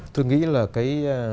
tôi nghĩ là cái